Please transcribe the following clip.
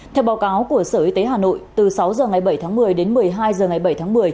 theo báo cáo của sở y tế hà nội từ sáu h ngày bảy tháng một mươi đến một mươi hai h ngày bảy tháng một mươi